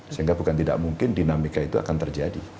sehingga bukan tidak mungkin dinamika itu akan terjadi